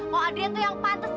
kalau adrian tuh yang pantes pak